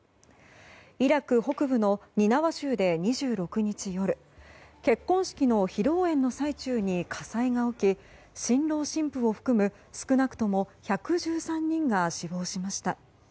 イラク北部のニナワ州で２６日夜結婚式の披露宴の最中に火災が起き新郎新婦を含む、少なくとも１１３人が死亡しました。